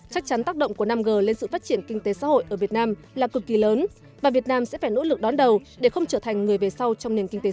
chắc chắn tác động của năm g lên sự phát triển kinh tế xã hội ở việt nam là cực kỳ lớn và việt nam sẽ phải nỗ lực đón đầu để không trở thành người về sau trong nền kinh tế số